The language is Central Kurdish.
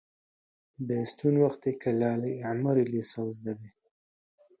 بێستوون وەختێ کە لالەی ئەحمەری لێ سەوز ئەبێ